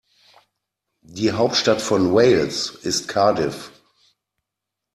Die Hauptstadt von Wales ist Cardiff.